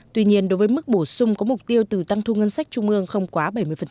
tuy nhiên đối với mức bổ sung có mục tiêu từ tăng thu ngân sách trung ương không quá bảy mươi